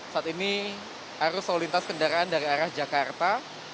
saat ini arus lalu lintas kendaraan dari arah jakarta